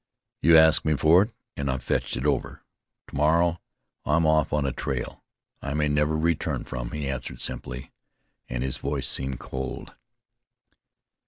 "You asked me for it, an' I've fetched it over. To morrow I'm off on a trail I may never return from," he answered simply, and his voice seemed cold.